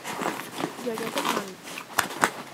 弱弱的問